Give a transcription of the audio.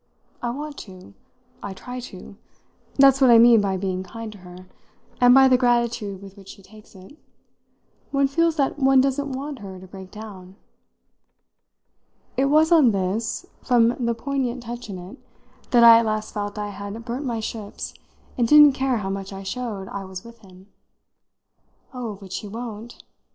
"I want to I try to; that's what I mean by being kind to her, and by the gratitude with which she takes it. One feels that one doesn't want her to break down." It was on this from the poignant touch in it that I at last felt I had burnt my ships and didn't care how much I showed I was with him. "Oh, but she won't.